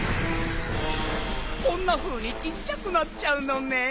こんなふうにちっちゃくなっちゃうのねん。